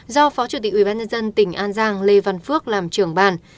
do phó chủ tịch ubnd tỉnh an giang lê văn phước làm trưởng bàn